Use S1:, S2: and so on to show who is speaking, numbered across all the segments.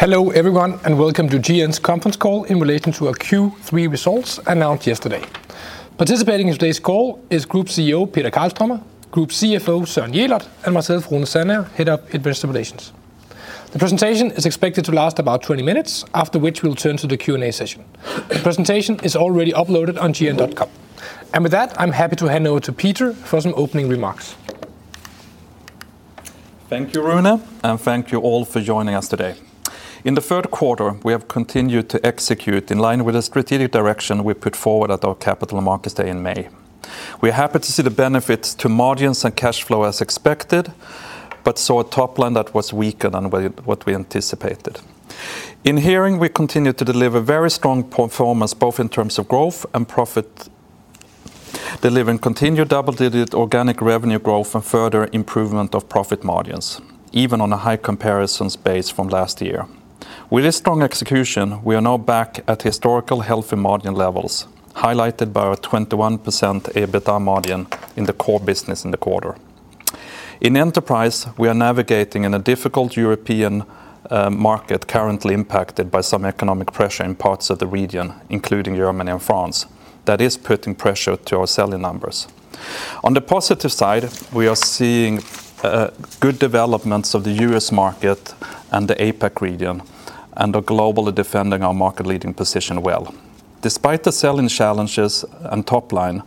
S1: Hello everyone, and welcome to GN's conference call in relation to our Q3 results announced yesterday. Participating in today's call is Group CEO Peter Karlströmer, Group CFO Søren Jelert, and myself, Rune Sandager, Head of Investor Relations. The presentation is expected to last about 20 minutes, after which we'll turn to the Q&A session. The presentation is already uploaded on gn.com, and with that, I'm happy to hand over to Peter for some opening remarks.
S2: Thank you, Rune, and thank you all for joining us today. In the third quarter, we have continued to execute in line with the strategic direction we put forward at our Capital Markets Day in May. We are happy to see the benefits to margins and cash flow as expected, but saw a top line that was weaker than what we anticipated. In hearing, we continue to deliver very strong performance both in terms of growth and profit, delivering continued double-digit organic revenue growth and further improvement of profit margins, even on a high comparisons base from last year. With this strong execution, we are now back at historical healthy margin levels, highlighted by our 21% EBITDA margin in the core business in the quarter. In enterprise, we are navigating in a difficult European market currently impacted by some economic pressure in parts of the region, including Germany and France, that is putting pressure to our sell-in numbers. On the positive side, we are seeing good developments of the U.S. market and the APAC region, and are globally defending our market-leading position well. Despite the sell-in challenges and top line,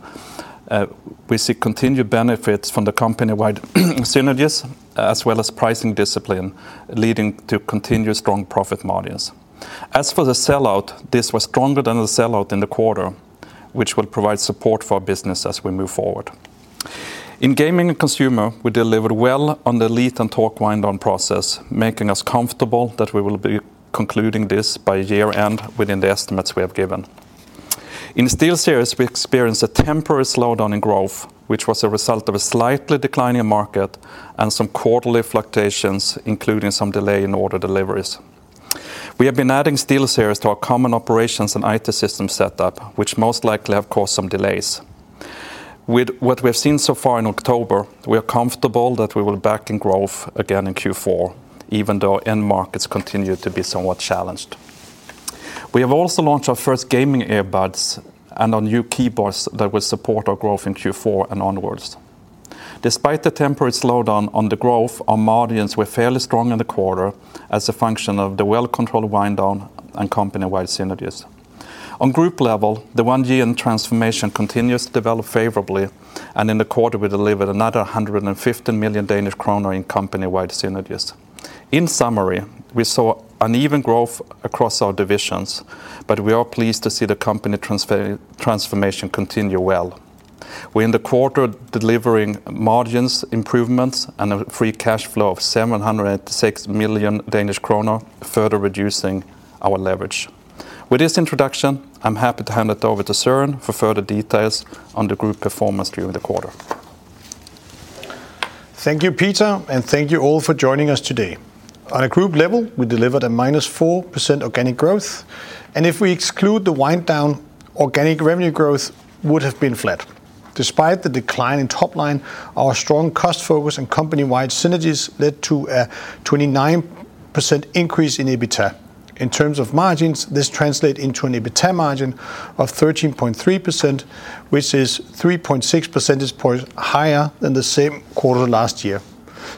S2: we see continued benefits from the company-wide synergies, as well as pricing discipline, leading to continued strong profit margins. As for the sell-out, this was stronger than the sell-out in the quarter, which will provide support for our business as we move forward. In gaming and consumer, we delivered well on the Elite and Talk wind-down process, making us comfortable that we will be concluding this by year-end within the estimates we have given. In SteelSeries, we experienced a temporary slowdown in growth, which was a result of a slightly declining market and some quarterly fluctuations, including some delay in order deliveries. We have been adding SteelSeries to our common operations and IT system setup, which most likely have caused some delays. With what we have seen so far in October, we are comfortable that we will be back in growth again in Q4, even though end markets continue to be somewhat challenged. We have also launched our first gaming earbuds and our new keyboards that will support our growth in Q4 and onwards. Despite the temporary slowdown on the growth, our margins were fairly strong in the quarter as a function of the well-controlled wind-down and company-wide synergies. On group level, the one-year transformation continues to develop favorably, and in the quarter, we delivered another 115 million Danish kroner in company-wide synergies. In summary, we saw uneven growth across our divisions, but we are pleased to see the company transformation continue well. We are in the quarter delivering margins improvements and a free cash flow of 786 million Danish kroner, further reducing our leverage. With this introduction, I'm happy to hand it over to Søren for further details on the group performance during the quarter.
S3: Thank you, Peter, and thank you all for joining us today. On a group level, we delivered a -4% organic growth, and if we exclude the wind-down, organic revenue growth would have been flat. Despite the decline in top line, our strong cost focus and company-wide synergies led to a 29% increase in EBITDA. In terms of margins, this translated into an EBITDA margin of 13.3%, which is 3.6 percentage points higher than the same quarter last year.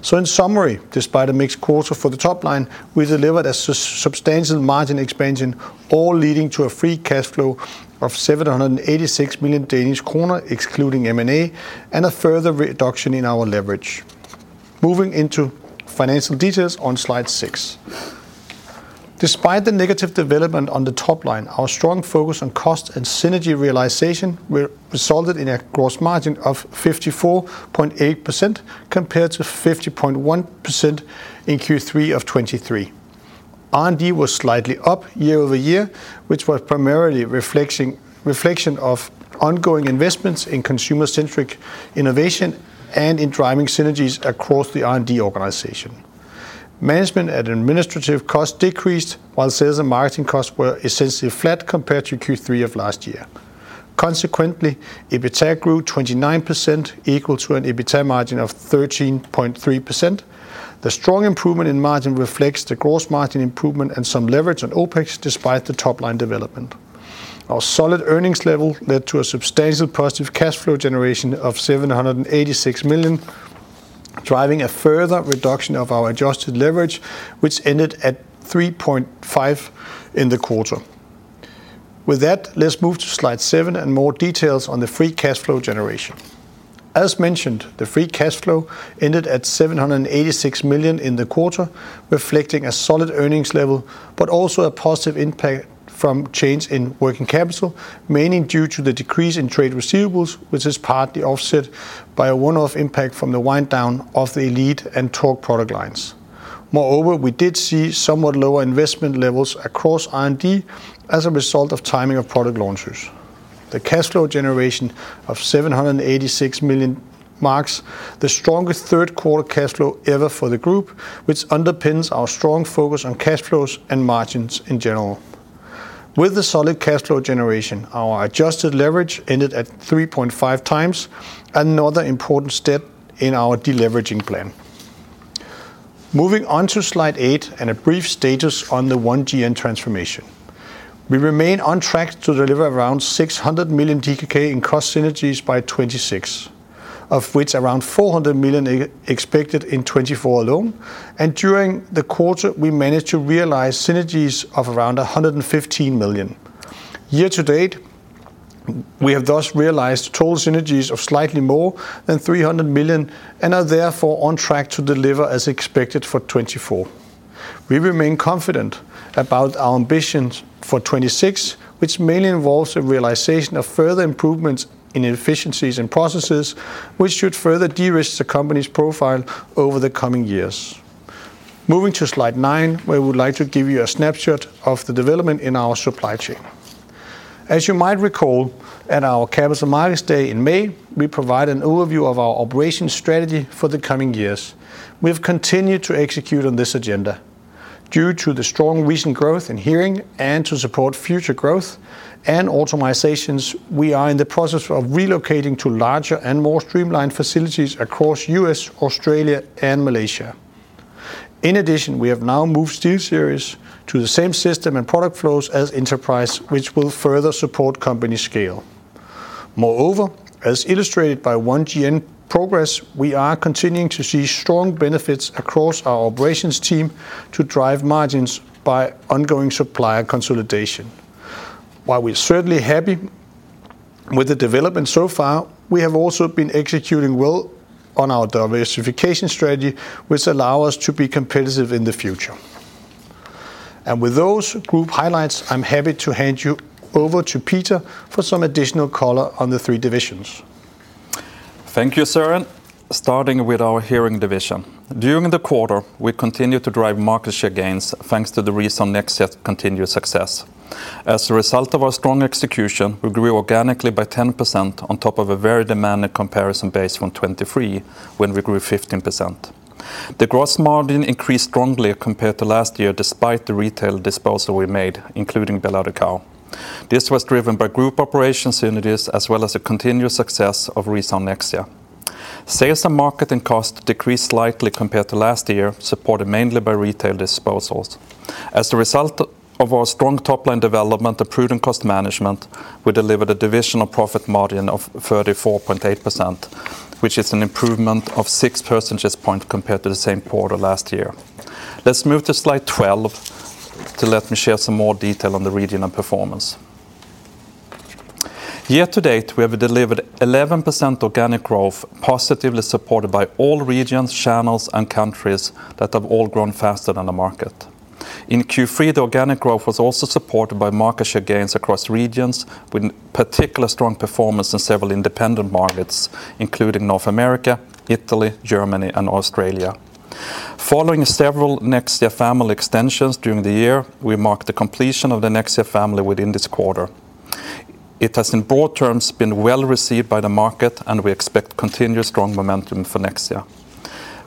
S3: So, in summary, despite a mixed quarter for the top line, we delivered a substantial margin expansion, all leading to a free cash flow of 786 million Danish kroner, excluding M&A, and a further reduction in our leverage. Moving into financial details on slide six. Despite the negative development on the top line, our strong focus on cost and synergy realization resulted in a gross margin of 54.8% compared to 50.1% in Q3 of 2023. R&D was slightly up year over year, which was primarily a reflection of ongoing investments in consumer-centric innovation and in driving synergies across the R&D organization. Management and administrative costs decreased, while sales and marketing costs were essentially flat compared to Q3 of last year. Consequently, EBITDA grew 29%, equal to an EBITDA margin of 13.3%. The strong improvement in margin reflects the gross margin improvement and some leverage on OpEx, despite the top line development. Our solid earnings level led to a substantial positive cash flow generation of 786 million, driving a further reduction of our adjusted leverage, which ended at 3.5x in the quarter. With that, let's move to slide seven and more details on the free cash flow generation. As mentioned, the free cash flow ended at 786 million in the quarter, reflecting a solid earnings level, but also a positive impact from change in working capital, mainly due to the decrease in trade receivables, which is partly offset by a one-off impact from the wind-down of the Elite and Talk product lines. Moreover, we did see somewhat lower investment levels across R&D as a result of timing of product launches. The cash flow generation of 786 million marks the strongest third-quarter cash flow ever for the group, which underpins our strong focus on cash flows and margins in general. With the solid cash flow generation, our adjusted leverage ended at 3.5 times, another important step in our deleveraging plan. Moving on to slide eight and a brief status on the one-year transformation. We remain on track to deliver around 600 million DKK in cost synergies by 2026, of which around 400 million expected in 2024 alone, and during the quarter, we managed to realize synergies of around 115 million. Year to date, we have thus realized total synergies of slightly more than 300 million and are therefore on track to deliver as expected for 2024. We remain confident about our ambitions for 2026, which mainly involves the realization of further improvements in efficiencies and processes, which should further de-risk the company's profile over the coming years. Moving to slide nine, where we would like to give you a snapshot of the development in our supply chain. As you might recall, at our Capital Markets Day in May, we provided an overview of our operations strategy for the coming years. We have continued to execute on this agenda. Due to the strong recent growth in hearing and to support future growth and optimizations, we are in the process of relocating to larger and more streamlined facilities across the U.S., Australia, and Malaysia. In addition, we have now moved SteelSeries to the same system and product flows as enterprise, which will further support company scale. Moreover, as illustrated by one-year progress, we are continuing to see strong benefits across our operations team to drive margins by ongoing supplier consolidation. While we're certainly happy with the development so far, we have also been executing well on our diversification strategy, which allows us to be competitive in the future. And with those group highlights, I'm happy to hand you over to Peter for some additional color on the three divisions.
S2: Thank you, Søren. Starting with our hearing division. During the quarter, we continued to drive market share gains thanks to the recent Nexia’s continued success. As a result of our strong execution, we grew organically by 10% on top of a very demanding comparison base from 2023, when we grew 15%. The gross margin increased strongly compared to last year, despite the retail disposal we made, including BelAudição. This was driven by group operations synergies, as well as the continued success of recent Nexia. Sales and marketing costs decreased slightly compared to last year, supported mainly by retail disposals. As a result of our strong top line development and prudent cost management, we delivered a divisional profit margin of 34.8%, which is an improvement of six percentage points compared to the same quarter last year. Let's move to slide 12 to let me share some more detail on the region and performance. Year to date, we have delivered 11% organic growth, positively supported by all regions, channels, and countries that have all grown faster than the market. In Q3, the organic growth was also supported by market share gains across regions, with particularly strong performance in several independent markets, including North America, Italy, Germany, and Australia. Following several Nexia family extensions during the year, we marked the completion of the Nexia family within this quarter. It has, in broad terms, been well received by the market, and we expect continued strong momentum for Nexia.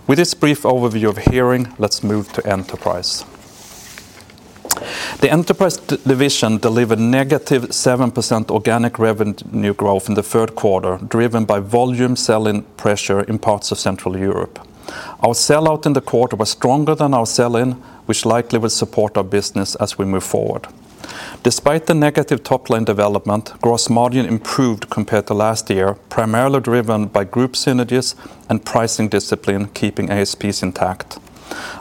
S2: With this brief overview of hearing, let's move to enterprise. The enterprise division delivered negative 7% organic revenue growth in the third quarter, driven by volume sell-in pressure in parts of Central Europe. Our sellout in the quarter was stronger than our sell-in, which likely will support our business as we move forward. Despite the negative top line development, gross margin improved compared to last year, primarily driven by group synergies and pricing discipline, keeping ASPs intact.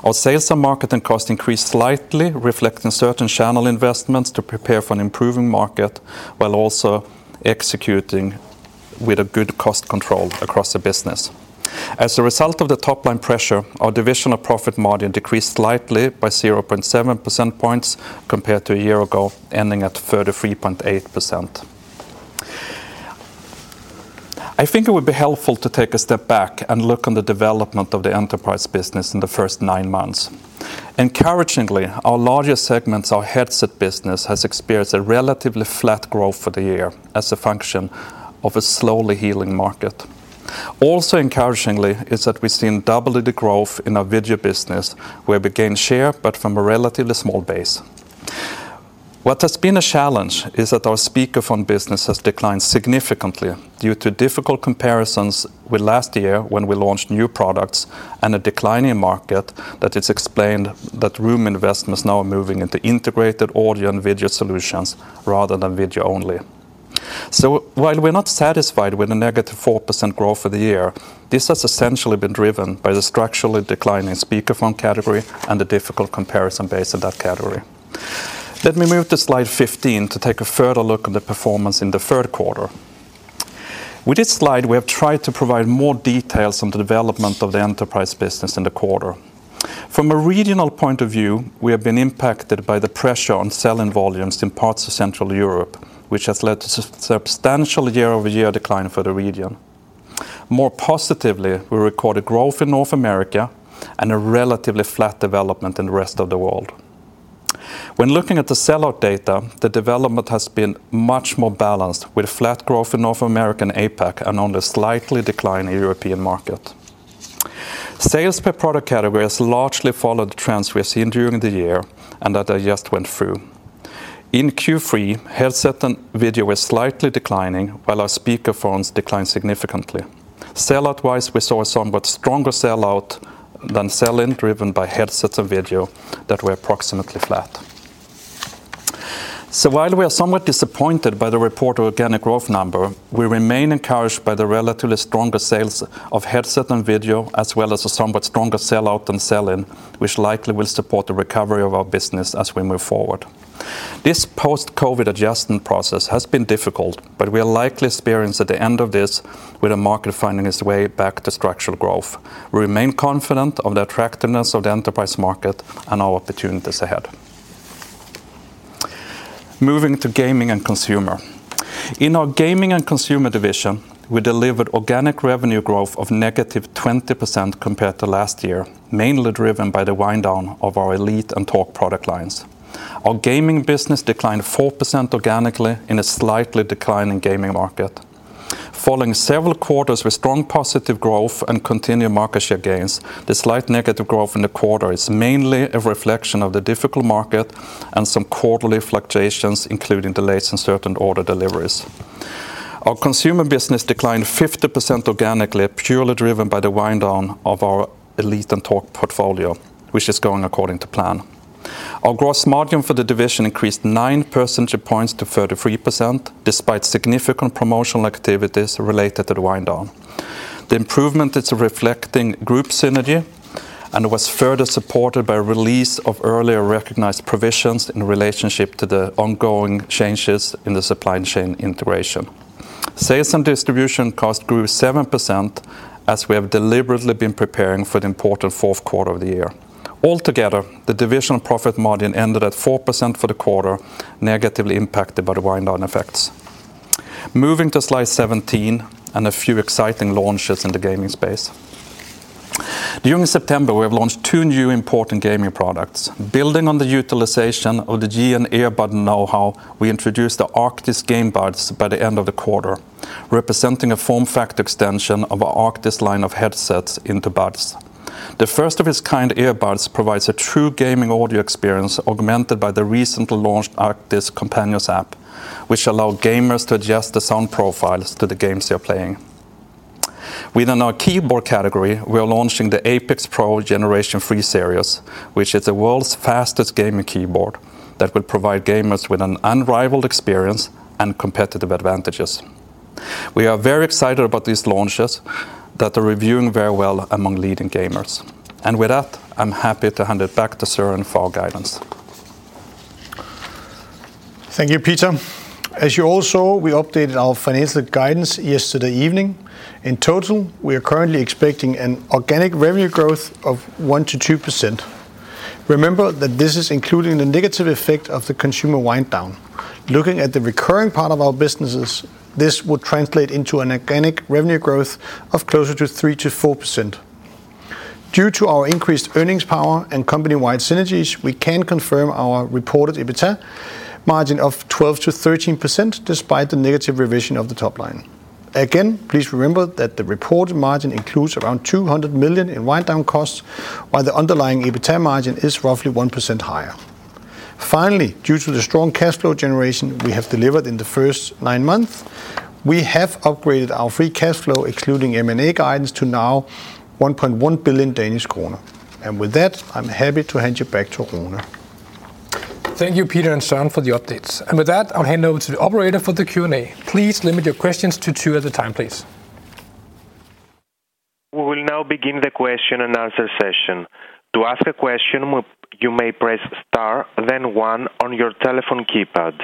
S2: Our sales and marketing costs increased slightly, reflecting certain channel investments to prepare for an improving market, while also executing with good cost control across the business. As a result of the top line pressure, our divisional profit margin decreased slightly by 0.7 percentage points compared to a year ago, ending at 33.8%. I think it would be helpful to take a step back and look on the development of the enterprise business in the first nine months. Encouragingly, our largest segment, our headset business, has experienced a relatively flat growth for the year as a function of a slowly healing market. Also encouragingly is that we've seen double the growth in our video business, where we gained share but from a relatively small base. What has been a challenge is that our speakerphone business has declined significantly due to difficult comparisons with last year when we launched new products and a declining market which has meant that room investments now are moving into integrated audio and video solutions rather than audio only. So, while we're not satisfied with a negative 4% growth for the year, this has essentially been driven by the structurally declining speakerphone category and the difficult comparison base in that category. Let me move to slide 15 to take a further look at the performance in the third quarter. With this slide, we have tried to provide more details on the development of the enterprise business in the quarter. From a regional point of view, we have been impacted by the pressure on selling volumes in parts of Central Europe, which has led to a substantial year-over-year decline for the region. More positively, we recorded growth in North America and a relatively flat development in the rest of the world. When looking at the sellout data, the development has been much more balanced, with a flat growth in North America and APAC, and only a slightly declining European market. Sales per product category has largely followed the trends we have seen during the year and that I just went through. In Q3, headset and video were slightly declining, while our speakerphones declined significantly. Sellout-wise, we saw a somewhat stronger sellout than sell-in, driven by headsets and video that were approximately flat. So, while we are somewhat disappointed by the reported organic growth number, we remain encouraged by the relatively stronger sales of headset and video, as well as a somewhat stronger sell-out than sell-in, which likely will support the recovery of our business as we move forward. This post-COVID adjustment process has been difficult, but we are likely experiencing at the end of this with the market finding its way back to structural growth. We remain confident of the attractiveness of the enterprise market and our opportunities ahead. Moving to gaming and consumer. In our gaming and consumer division, we delivered organic revenue growth of -20% compared to last year, mainly driven by the wind-down of our Elite and Talk product lines. Our gaming business declined 4% organically in a slightly declining gaming market. Following several quarters with strong positive growth and continued market share gains, the slight negative growth in the quarter is mainly a reflection of the difficult market and some quarterly fluctuations, including delays in certain order deliveries. Our consumer business declined 50% organically, purely driven by the wind-down of our Elite and Talk portfolio, which is going according to plan. Our gross margin for the division increased 9 percentage points to 33%, despite significant promotional activities related to the wind-down. The improvement is reflecting group synergy, and it was further supported by a release of earlier recognized provisions in relationship to the ongoing changes in the supply chain integration. Sales and distribution costs grew 7% as we have deliberately been preparing for the important fourth quarter of the year. Altogether, the division of profit margin ended at 4% for the quarter, negatively impacted by the wind-down effects. Moving to slide 17 and a few exciting launches in the gaming space. During September, we have launched two new important gaming products. Building on the utilization of the GN Earbud know-how, we introduced the Arctis GameBuds by the end of the quarter, representing a form-factor extension of our Arctis line of headsets into buds. The first-of-its-kind earbuds provides a true gaming audio experience augmented by the recently launched Arctis Companion App, which allows gamers to adjust the sound profiles to the games they are playing. Within our keyboard category, we are launching the Apex Pro Gen 3 series, which is the world's fastest gaming keyboard that will provide gamers with an unrivaled experience and competitive advantages. We are very excited about these launches that are receiving very well among leading gamers, and with that, I'm happy to hand it back to Søren for our guidance.
S3: Thank you, Peter. As you all saw, we updated our financial guidance yesterday evening. In total, we are currently expecting an organic revenue growth of 1-2%. Remember that this is including the negative effect of the consumer wind-down. Looking at the recurring part of our businesses, this would translate into an organic revenue growth of closer to 3-4%. Due to our increased earnings power and company-wide synergies, we can confirm our reported EBITDA margin of 12-13% despite the negative revision of the top line. Again, please remember that the reported margin includes around 200 million in wind-down costs, while the underlying EBITDA margin is roughly 1% higher. Finally, due to the strong cash flow generation we have delivered in the first nine months, we have upgraded our free cash flow, excluding M&A guidance, to now 1.1 billion Danish kroner. With that, I'm happy to hand you back to Rune.
S1: Thank you, Peter and Søren, for the updates. And with that, I'll hand over to the operator for the Q&A. Please limit your questions to two at a time, please.
S4: We will now begin the question and answer session. To ask a question, you may press Star, then 1 on your telephone keypad.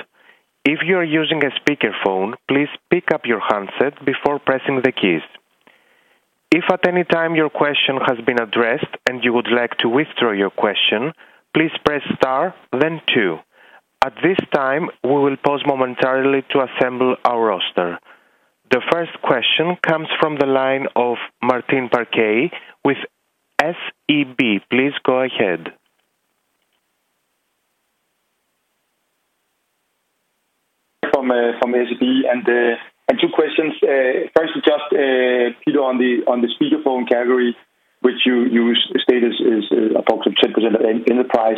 S4: If you are using a speakerphone, please pick up your handset before pressing the keys. If at any time your question has been addressed and you would like to withdraw your question, please press star, then two. At this time, we will pause momentarily to assemble our roster. The first question comes from the line of Martin Parkhøi with SEB. Please go ahead.
S5: From SEB. And two questions. First, just Peter on the speakerphone category, which you stated is approximately 10% of enterprise.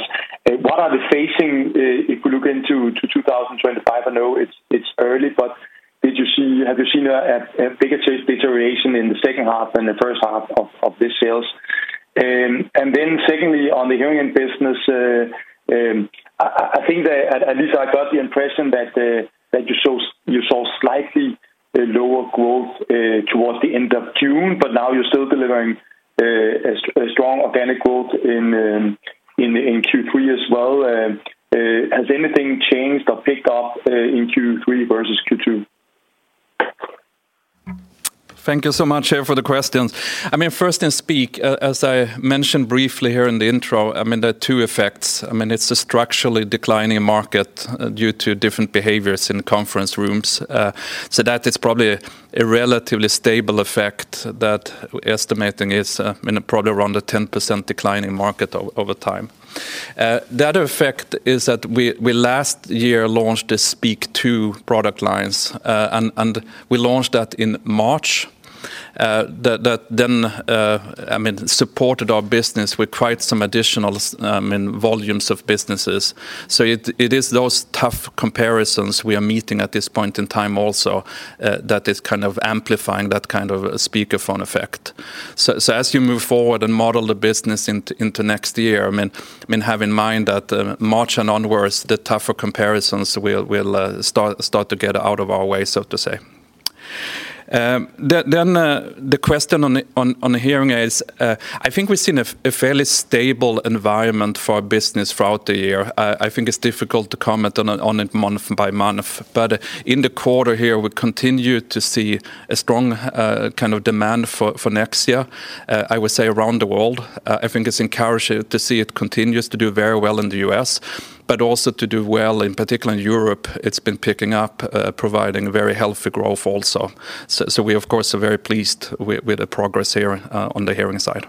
S5: What are the phasing if we look into 2025? I know it's early, but have you seen a bigger deterioration in the second half than the first half of this sales? And then secondly, on the hearing aid business, I think that at least I got the impression that you saw slightly lower growth towards the end of June, but now you're still delivering strong organic growth in Q3 as well. Has anything changed or picked up in Q3 versus Q2?
S2: Thank you so much, Martin, for the questions. I mean, first in Speak, as I mentioned briefly here in the intro, I mean, there are two effects. I mean, it's a structurally declining market due to different behaviors in conference rooms. So that is probably a relatively stable effect that we're estimating is probably around a 10% declining market over time. The other effect is that we last year launched the Speak2 product lines, and we launched that in March that then supported our business with quite some additional volumes of businesses. So it is those tough comparisons we are meeting at this point in time also that is kind of amplifying that kind of speakerphone effect. So as you move forward and model the business into next year, I mean, have in mind that March and onwards, the tougher comparisons will start to get out of our way, so to say. Then the question on hearing aids, I think we've seen a fairly stable environment for our business throughout the year. I think it's difficult to comment on it month by month, but in the quarter here, we continue to see a strong kind of demand for Nexia, I would say, around the world. I think it's encouraging to see it continues to do very well in the U.S., but also to do well, in particular in Europe, it's been picking up, providing very healthy growth also. So we, of course, are very pleased with the progress here on the hearing side.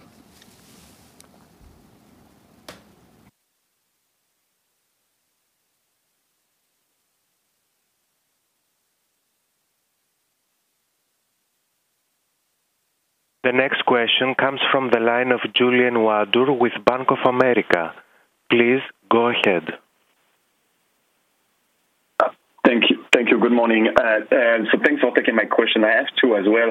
S4: The next question comes from the line of Julien Ouaddour with Bank of America. Please go ahead.
S6: Thank you. Thank you. Good morning. So thanks for taking my question. I asked too as well.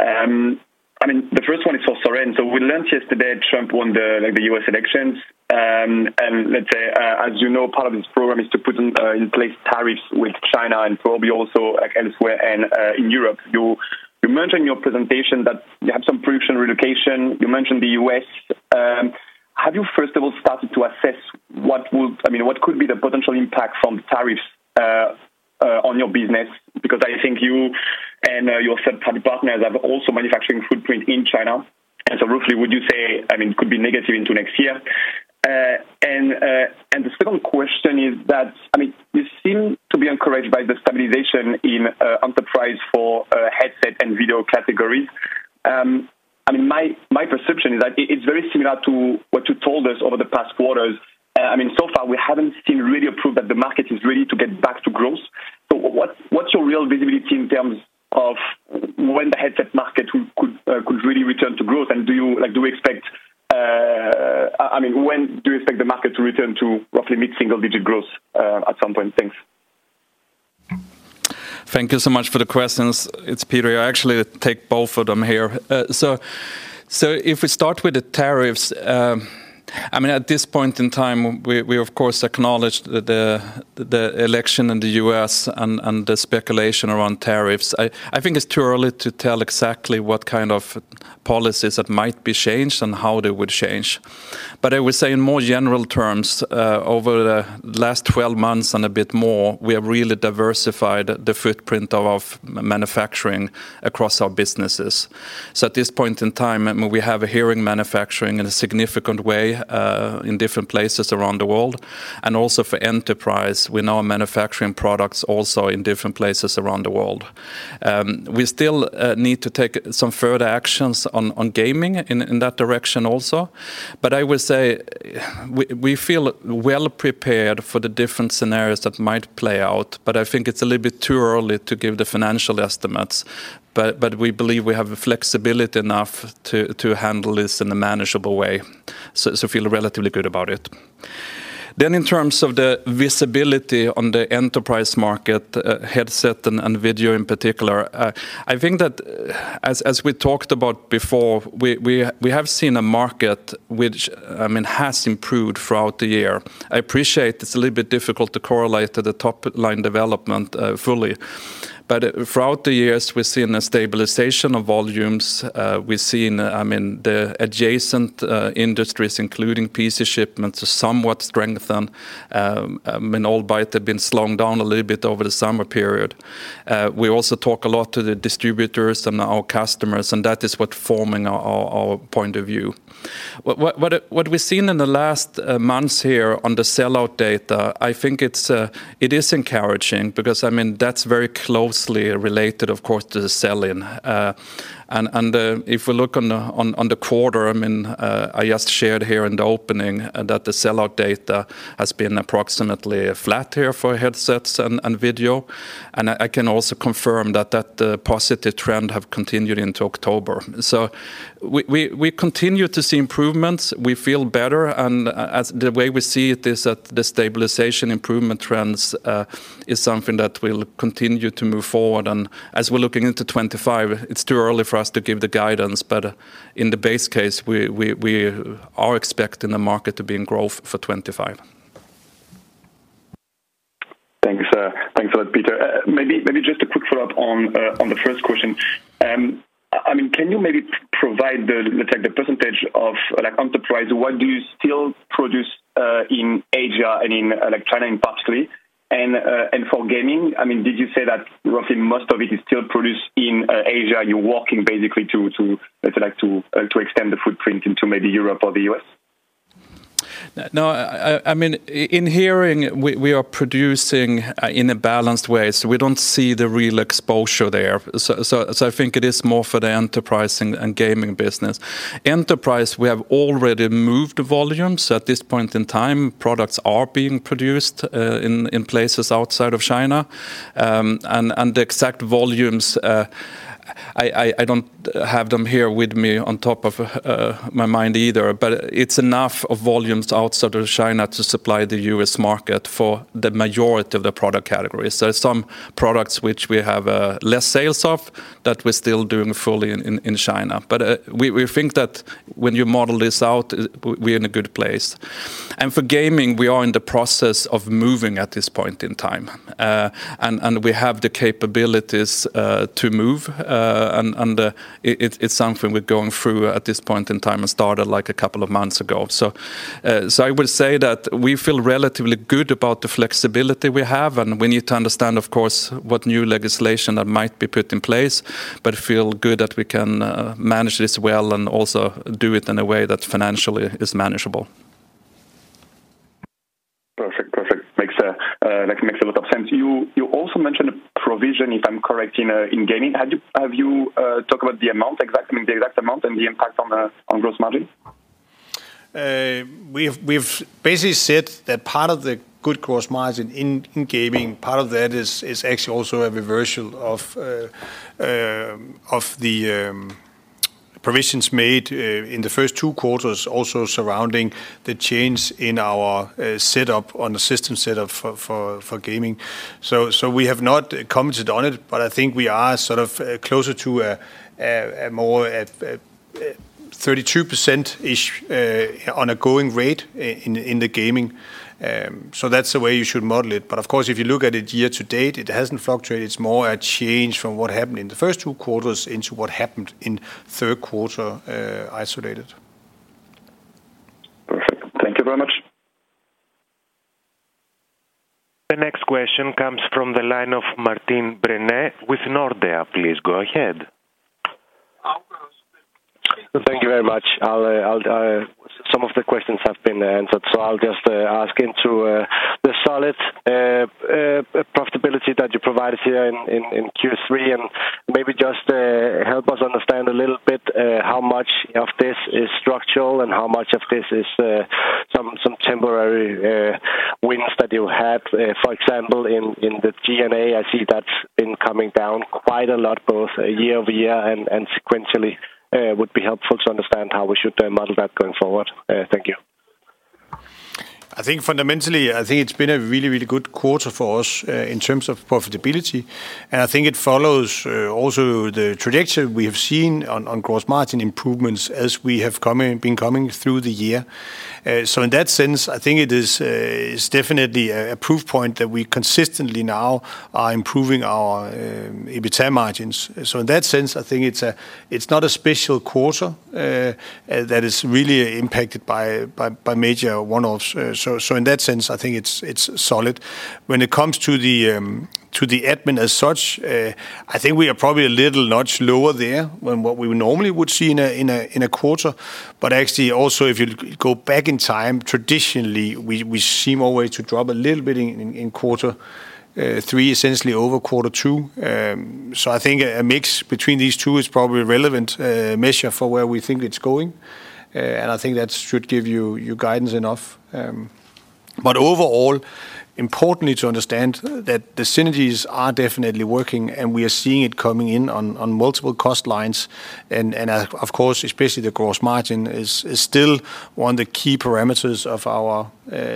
S6: I mean, the first one is for Søren. So we learned yesterday Trump won the U.S. elections. And let's say, as you know, part of this program is to put in place tariffs with China and probably also elsewhere in Europe. You mentioned in your presentation that you have some provisional relocation. You mentioned the U.S. Have you, first of all, started to assess what could be the potential impact from the tariffs on your business? Because I think you and your third-party partners have also a manufacturing footprint in China. And so roughly, would you say, I mean, it could be negative into next year? And the second question is that, I mean, you seem to be encouraged by the stabilization in enterprise for headset and video categories. I mean, my perception is that it's very similar to what you told us over the past quarters. I mean, so far, we haven't seen really a proof that the market is ready to get back to growth. So what's your real visibility in terms of when the headset market could really return to growth? And do you expect, I mean, when do you expect the market to return to roughly mid-single-digit growth at some point? Thanks.
S2: Thank you so much for the questions. It's Peter. I actually take both of them here. So if we start with the tariffs, I mean, at this point in time, we, of course, acknowledge the election in the U.S. and the speculation around tariffs. I think it's too early to tell exactly what kind of policies that might be changed and how they would change. But I would say in more general terms, over the last 12 months and a bit more, we have really diversified the footprint of our manufacturing across our businesses. So at this point in time, we have a hearing manufacturing in a significant way in different places around the world. And also for enterprise, we now are manufacturing products also in different places around the world. We still need to take some further actions on gaming in that direction also. But I would say we feel well prepared for the different scenarios that might play out, but I think it's a little bit too early to give the financial estimates, but we believe we have flexibility enough to handle this in a manageable way, so I feel relatively good about it, then in terms of the visibility on the enterprise market, headset and video in particular, I think that as we talked about before, we have seen a market which, I mean, has improved throughout the year. I appreciate it's a little bit difficult to correlate to the top line development fully, but throughout the years, we've seen a stabilization of volumes. We've seen, I mean, the adjacent industries, including PC shipments, are somewhat strengthened. I mean, all but have been slowing down a little bit over the summer period. We also talk a lot to the distributors and our customers, and that is what's forming our point of view. What we've seen in the last months here on the sellout data, I think it is encouraging because, I mean, that's very closely related, of course, to the sell-in. And if we look on the quarter, I mean, I just shared here in the opening that the sellout data has been approximately flat here for headsets and video. And I can also confirm that that positive trend has continued into October. So we continue to see improvements. We feel better. And the way we see it is that the stabilization improvement trends is something that will continue to move forward. As we're looking into 2025, it's too early for us to give the guidance, but in the base case, we are expecting the market to be in growth for 2025.
S6: Thanks a lot, Peter. Maybe just a quick follow-up on the first question. I mean, can you maybe provide the percentage of enterprise? What do you still produce in Asia and in China in particular? And for gaming, I mean, did you say that roughly most of it is still produced in Asia? You're working basically to extend the footprint into maybe Europe or the U.S.?
S2: No. I mean, in hearing, we are producing in a balanced way, so we don't see the real exposure there, so I think it is more for the enterprise and gaming business. Enterprise, we have already moved volumes. At this point in time, products are being produced in places outside of China, and the exact volumes, I don't have them here with me on top of my mind either, but it's enough of volumes outside of China to supply the U.S. market for the majority of the product categories. There are some products which we have less sales of that we're still doing fully in China, but we think that when you model this out, we're in a good place, and for gaming, we are in the process of moving at this point in time, and we have the capabilities to move. And it's something we're going through at this point in time and started like a couple of months ago. So I would say that we feel relatively good about the flexibility we have. And we need to understand, of course, what new legislation that might be put in place, but feel good that we can manage this well and also do it in a way that financially is manageable.
S6: Perfect. Perfect. Makes a lot of sense. You also mentioned provision, if I'm correct, in gaming. Have you talked about the amount, the exact amount and the impact on gross margin?
S2: We've basically said that part of the good gross margin in gaming, part of that is actually also a reversal of the provisions made in the first two quarters also surrounding the change in our setup on the system setup for gaming. So we have not commented on it, but I think we are sort of closer to a more 32%-ish on a going rate in the gaming. So that's the way you should model it. But of course, if you look at it year to date, it hasn't fluctuated. It's more a change from what happened in the first two quarters into what happened in third quarter isolated.
S6: Perfect. Thank you very much.
S4: The next question comes from the line of Martin Brenøe with Nordea. Please go ahead.
S7: Thank you very much. Some of the questions have been answered. So I'll just ask into the solid profitability that you provided here in Q3 and maybe just help us understand a little bit how much of this is structural and how much of this is some temporary wins that you had. For example, in the G&A, I see that's been coming down quite a lot both year over year and sequentially. Would be helpful to understand how we should model that going forward. Thank you.
S3: I think fundamentally, I think it's been a really, really good quarter for us in terms of profitability, and I think it follows also the trajectory we have seen on gross margin improvements as we have been coming through the year. In that sense, I think it is definitely a proof point that we consistently now are improving our EBITDA margins. In that sense, I think it's not a special quarter that is really impacted by major one-offs. In that sense, I think it's solid. When it comes to the admin as such, I think we are probably a little notch lower there than what we normally would see in a quarter. Actually also, if you go back in time, traditionally, we seem always to drop a little bit in quarter three, essentially over quarter two. So I think a mix between these two is probably a relevant measure for where we think it's going. And I think that should give you guidance enough. But overall, importantly to understand that the synergies are definitely working and we are seeing it coming in on multiple cost lines. And of course, especially the gross margin is still one of the key parameters of our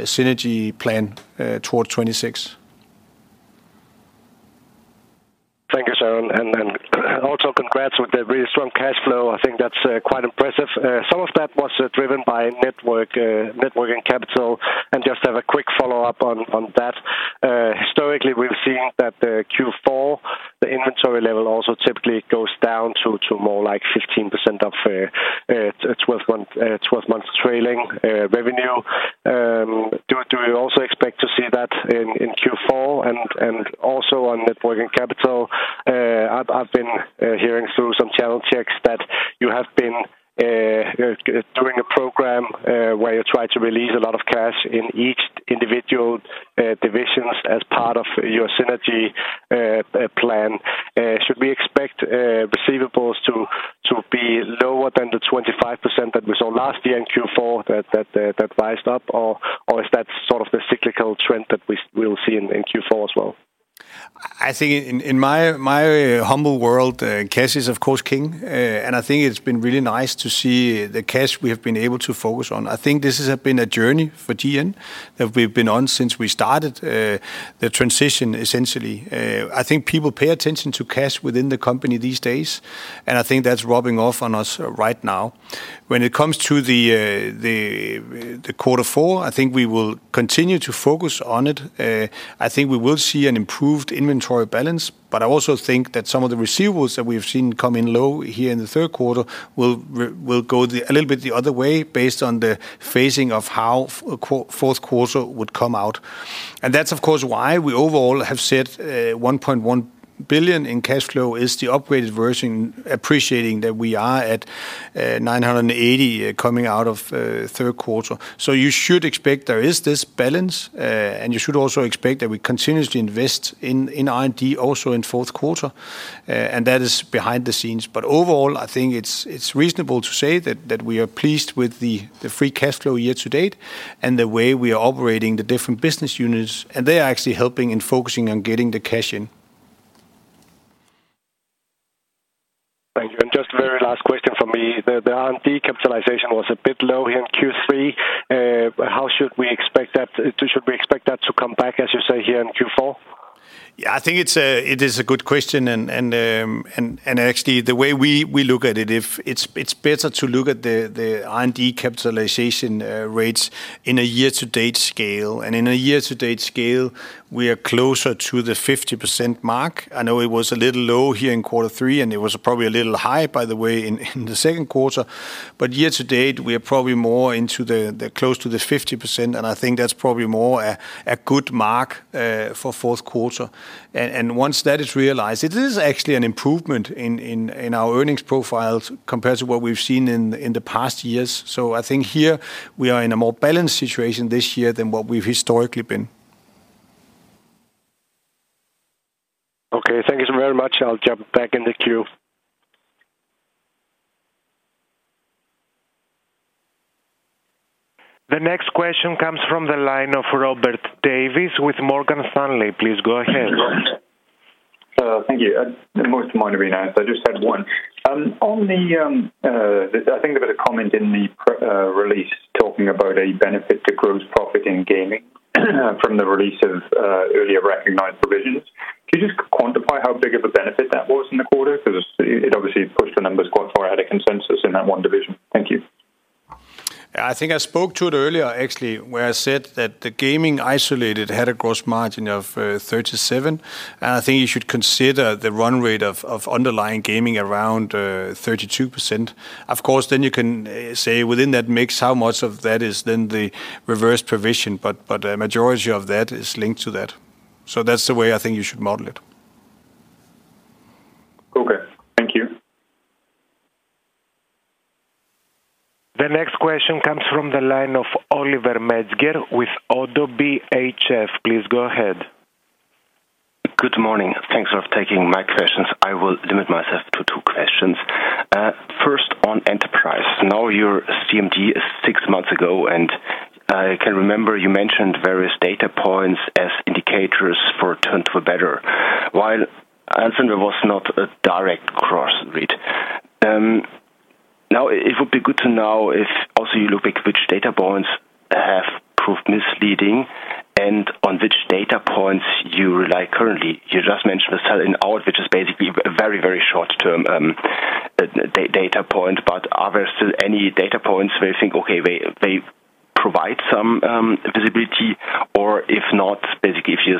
S3: synergy plan toward 2026.
S7: Thank you, Søren. And also congrats with the really strong cash flow. I think that's quite impressive. Some of that was driven by net working capital, and just to have a quick follow-up on that. Historically, we've seen that Q4, the inventory level also typically goes down to more like 15% of 12-month trailing revenue. Do you also expect to see that in Q4? And also on net working capital, I've been hearing through some channel checks that you have been doing a program where you try to release a lot of cash in each individual divisions as part of your synergy plan. Should we expect receivables to be lower than the 25% that we saw last year in Q4 that rose up, or is that sort of the cyclical trend that we will see in Q4 as well?
S3: I think in my humble world, cash is of course king, and I think it's been really nice to see the cash we have been able to focus on. I think this has been a journey for GN that we've been on since we started the transition essentially. I think people pay attention to cash within the company these days, and I think that's rubbing off on us right now. When it comes to the quarter four, I think we will continue to focus on it. I think we will see an improved inventory balance, but I also think that some of the receivables that we have seen come in low here in the third quarter will go a little bit the other way based on the phasing of how fourth quarter would come out. That's of course why we overall have said 1.1 billion in cash flow is the upgraded version, appreciating that we are at 980 million coming out of third quarter. So you should expect there is this balance, and you should also expect that we continuously invest in R&D also in fourth quarter. And that is behind the scenes. But overall, I think it's reasonable to say that we are pleased with the free cash flow year to date and the way we are operating the different business units. And they are actually helping and focusing on getting the cash in.
S7: Thank you. And just a very last question for me. The R&D capitalization was a bit low here in Q3. How should we expect that? Should we expect that to come back, as you say, here in Q4?
S3: Yeah, I think it is a good question, and actually, the way we look at it, it's better to look at the R&D capitalization rates in a year-to-date scale, and in a year-to-date scale, we are closer to the 50% mark. I know it was a little low here in quarter three, and it was probably a little high, by the way, in the second quarter, but year-to-date, we are probably more into the close to the 50%. I think that's probably more a good mark for fourth quarter, and once that is realized, it is actually an improvement in our earnings profiles compared to what we've seen in the past years, so I think here we are in a more balanced situation this year than what we've historically been.
S7: Okay. Thank you very much. I'll jump back in the queue.
S4: The next question comes from the line of Robert Davies with Morgan Stanley. Please go ahead.
S8: Thank you. The most minor being asked. I just had one. On the, I think there was a comment in the release talking about a benefit to gross profit in gaming from the release of earlier recognized provisions. Can you just quantify how big of a benefit that was in the quarter? Because it obviously pushed the numbers quite far out of consensus in that one division. Thank you.
S2: I think I spoke to it earlier, actually, where I said that the gaming isolated had a gross margin of 37%, and I think you should consider the run rate of underlying gaming around 32%. Of course, then you can say within that mix, how much of that is then the reverse provision, but a majority of that is linked to that, so that's the way I think you should model it.
S8: Okay. Thank you.
S4: The next question comes from the line of Oliver Metzger with ODDO BHF. Please go ahead.
S9: Good morning. Thanks for taking my questions. I will limit myself to two questions. First, on enterprise. Now your CMD is six months ago, and I can remember you mentioned various data points as indicators for turn to a better, while answering was not a direct cross-read. Now, it would be good to know if also you look at which data points have proved misleading and on which data points you rely currently. You just mentioned the sell-in/out, which is basically a very, very short-term data point, but are there still any data points where you think, okay, they provide some visibility? Or if not, basically, if you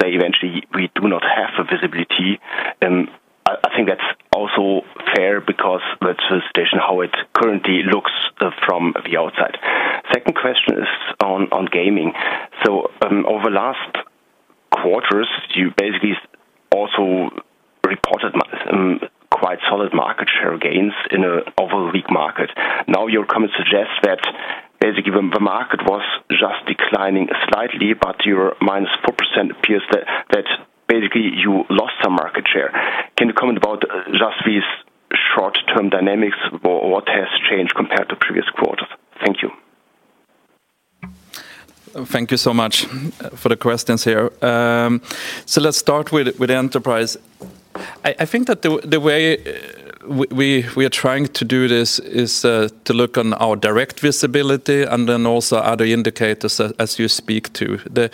S9: say eventually we do not have a visibility, I think that's also fair because that's the situation how it currently looks from the outside. Second question is on gaming. So over the last quarters, you basically also reported quite solid market share gains in an overall weak market. Now your comments suggest that basically the market was just declining slightly, but your -4% appears that basically you lost some market share. Can you comment about just these short-term dynamics? What has changed compared to previous quarters? Thank you.
S2: Thank you so much for the questions here. So let's start with enterprise. I think that the way we are trying to do this is to look on our direct visibility and then also other indicators as you speak to. The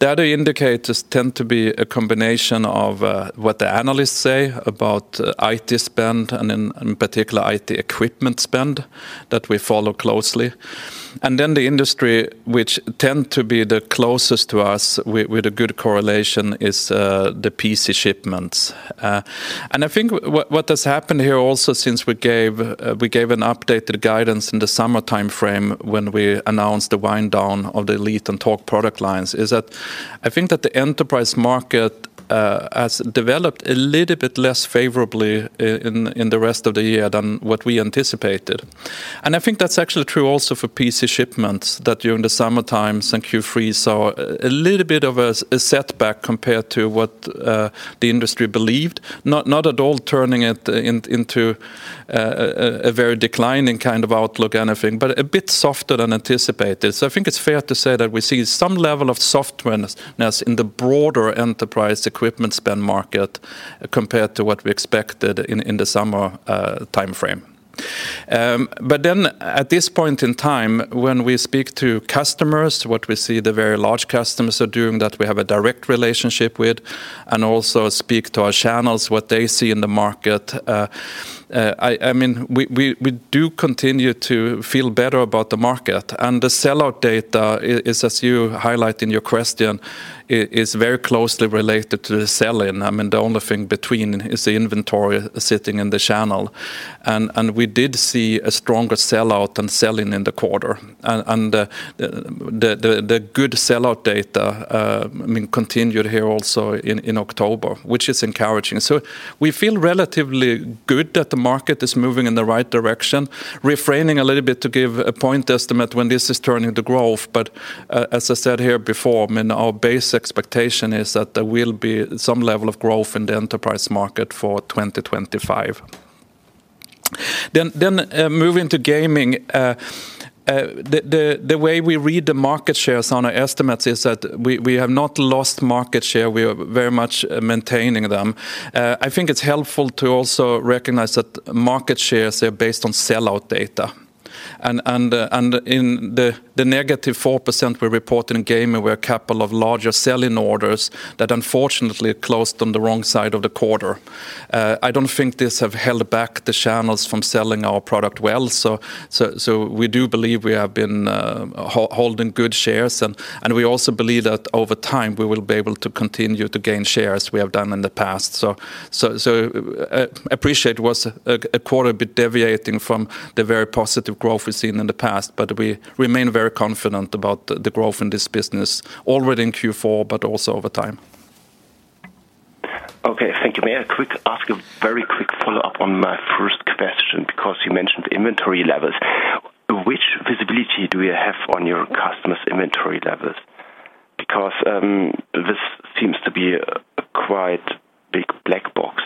S2: other indicators tend to be a combination of what the analysts say about IT spend and in particular IT equipment spend that we follow closely. And then the industry which tend to be the closest to us with a good correlation is the PC shipments. And I think what has happened here also since we gave an updated guidance in the summer timeframe when we announced the wind down of the Elite and Talk product lines is that I think that the enterprise market has developed a little bit less favorably in the rest of the year than what we anticipated. And I think that's actually true also for PC shipments that during the summertimes and Q3 saw a little bit of a setback compared to what the industry believed, not at all turning it into a very declining kind of outlook anything, but a bit softer than anticipated. So I think it's fair to say that we see some level of softness in the broader enterprise equipment spend market compared to what we expected in the summer timeframe. But then at this point in time, when we speak to customers, what we see the very large customers are doing that we have a direct relationship with and also speak to our channels, what they see in the market, I mean, we do continue to feel better about the market. And the sellout data is, as you highlight in your question, very closely related to the sell-in. I mean, the only thing between is the inventory sitting in the channel. And we did see a stronger sell-out than sell-in in the quarter. And the good sell-out data continued here also in October, which is encouraging. So we feel relatively good that the market is moving in the right direction, refraining a little bit to give a point estimate when this is turning to growth. But as I said here before, I mean, our base expectation is that there will be some level of growth in the enterprise market for 2025. Then moving to gaming, the way we read the market shares on our estimates is that we have not lost market share. We are very much maintaining them. I think it's helpful to also recognize that market shares are based on sell-out data. And in the -4% we report in gaming, we have a couple of larger sell-in orders that unfortunately closed on the wrong side of the quarter. I don't think this has held back the channels from selling our product well. So we do believe we have been holding good shares. And we also believe that over time we will be able to continue to gain shares we have done in the past. So I appreciate it was a quarter a bit deviating from the very positive growth we've seen in the past, but we remain very confident about the growth in this business already in Q4, but also over time.
S9: Okay. Thank you. May I ask a very quick follow-up on my first question? Because you mentioned inventory levels. Which visibility do you have on your customers' inventory levels? Because this seems to be a quite big black box.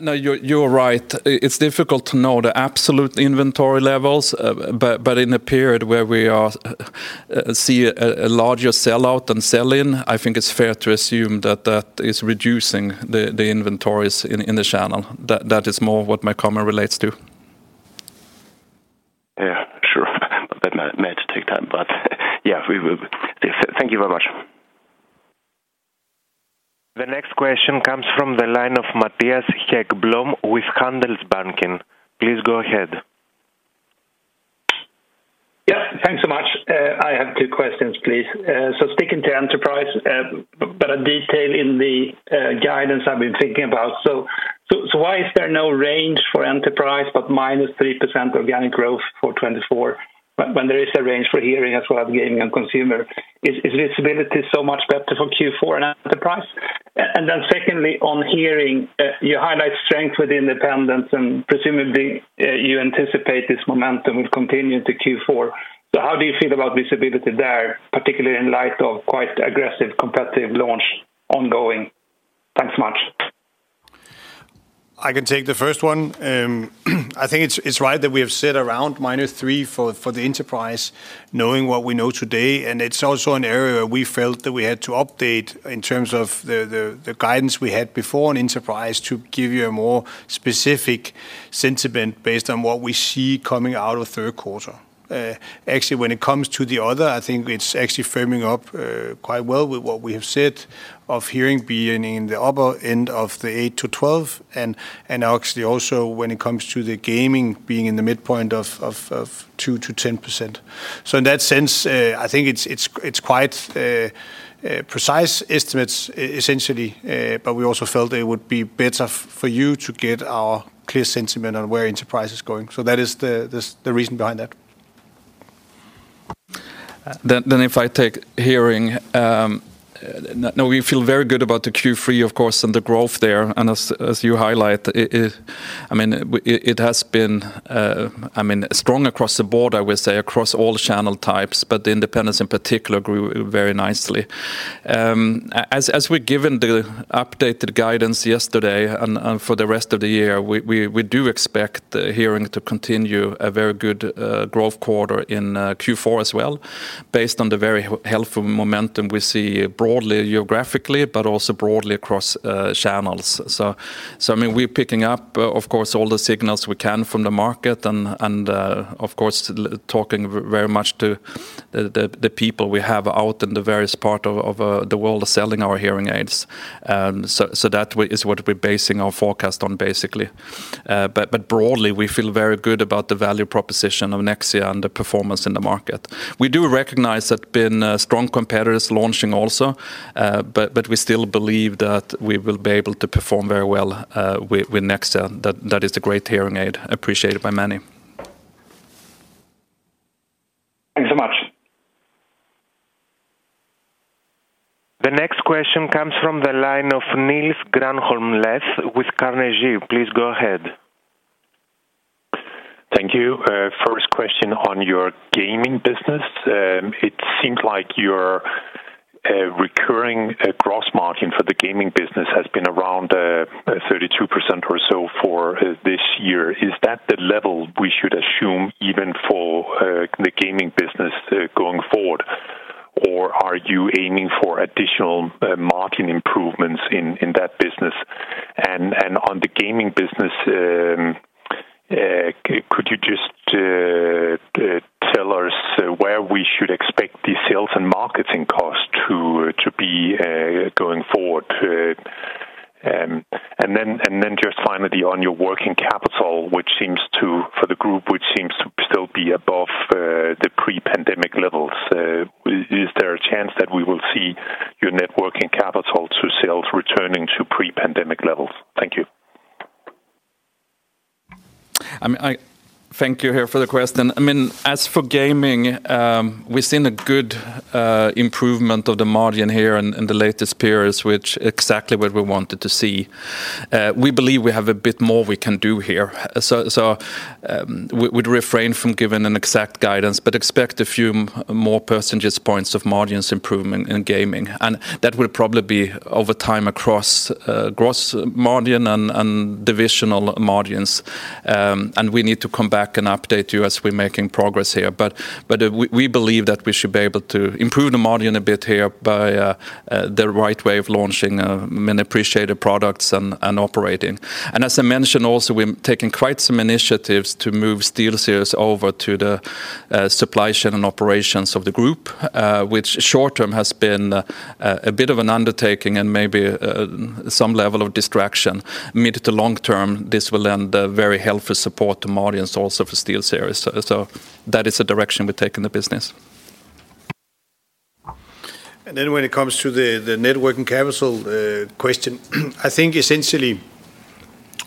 S2: No, you're right. It's difficult to know the absolute inventory levels, but in a period where we see a larger sell-out than sell-in, I think it's fair to assume that that is reducing the inventories in the channel. That is more what my comment relates to.
S9: Yeah, sure. But may I just take time? But yeah, thank you very much.
S4: The next question comes from the line of Mattias Häggblom with Handelsbanken. Please go ahead.
S10: Yep. Thanks so much. I have two questions, please. So speaking to enterprise, but a detail in the guidance I've been thinking about. So why is there no range for enterprise, but minus 3% organic growth for 2024 when there is a range for hearing as well as gaming and consumer? Is visibility so much better for Q4 and enterprise? And then secondly, on hearing, you highlight strength with independents, and presumably you anticipate this momentum will continue into Q4. So how do you feel about visibility there, particularly in light of quite aggressive competitive launch ongoing? Thanks so much.
S2: I can take the first one. I think it's right that we have said around -3% for the enterprise, knowing what we know today, and it's also an area where we felt that we had to update in terms of the guidance we had before on enterprise to give you a more specific sentiment based on what we see coming out of third quarter. Actually, when it comes to the other, I think it's actually firming up quite well with what we have said of hearing being in the upper end of the 8%-12%, and actually also when it comes to the gaming being in the midpoint of 2%-10%. So in that sense, I think it's quite precise estimates essentially, but we also felt it would be better for you to get our clear sentiment on where enterprise is going. So that is the reason behind that.
S3: Then if I take hearing, no, we feel very good about the Q3, of course, and the growth there. And as you highlight, I mean, it has been, I mean, strong across the board, I would say, across all channel types, but the independents in particular grew very nicely. As we gave the updated guidance yesterday and for the rest of the year, we do expect hearing to continue a very good growth quarter in Q4 as well, based on the very healthy momentum we see broadly geographically, but also broadly across channels. So I mean, we're picking up, of course, all the signals we can from the market and of course talking very much to the people we have out in the various parts of the world selling our hearing aids. So that is what we're basing our forecast on basically. But broadly, we feel very good about the value proposition of Nexia and the performance in the market. We do recognize that there have been strong competitors launching also, but we still believe that we will be able to perform very well with Nexia. That is a great hearing aid appreciated by many.
S10: Thanks so much.
S4: The next question comes from the line of Niels Granholm-Leth with Carnegie. Please go ahead.
S11: Thank you. First question on your gaming business. It seems like your recurring gross margin for the gaming business has been around 32% or so for this year. Is that the level we should assume even for the gaming business going forward, or are you aiming for additional margin improvements in that business? And on the gaming business, could you just tell us where we should expect the sales and marketing cost to be going forward? And then just finally on your working capital, which seems to, for the group, still be above the pre-pandemic levels, is there a chance that we will see your net working capital to sales returning to pre-pandemic levels? Thank you.
S2: I mean, thank you here for the question. I mean, as for gaming, we've seen a good improvement of the margin here in the latest periods, which is exactly what we wanted to see. We believe we have a bit more we can do here, so we'd refrain from giving an exact guidance, but expect a few more percentage points of margins improvement in gaming, and that will probably be over time across gross margin and divisional margins, and we need to come back and update you as we're making progress here, but we believe that we should be able to improve the margin a bit here by the right way of launching many appreciated products and operating. As I mentioned also, we're taking quite some initiatives to move SteelSeries over to the supply chain and operations of the group, which short term has been a bit of an undertaking and maybe some level of distraction. Mid to long term, this will lend very helpful support to margins also for SteelSeries. That is a direction we're taking the business.
S3: And then when it comes to the net working capital question, I think essentially